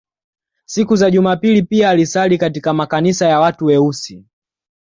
Siku za Jumapili pia alisali katika makanisa ya watu weusi